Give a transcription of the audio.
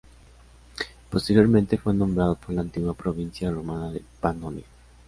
Posteriormente fue nombrado por la antigua provincia romana de Panonia.